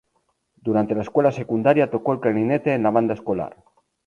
Durante la escuela secundaria tocó el clarinete en la banda escolar.